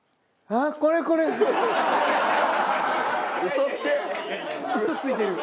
嘘ついてる。